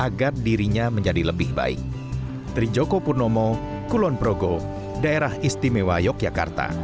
agar dirinya menjadi lebih baik